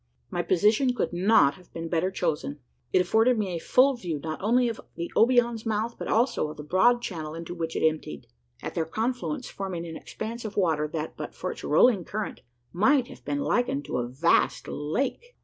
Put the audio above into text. My position could not have been better chosen. It afforded me a full view, not only of the Obion's mouth, but also of the broad channel into which it emptied at their confluence, forming an expanse of water that, but for its rolling current; might have been likened to a vast lake.